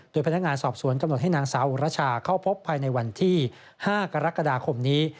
โดยพนักงานสอบสวนกำหนดให้นางสาวอุรชาเข้าพบภายในวันที่๕กรกฎาคมนี้